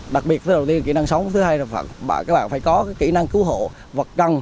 đặc biệt thứ đầu tiên kỹ năng sống thứ hai là các bạn phải có kỹ năng cứu hộ vật căng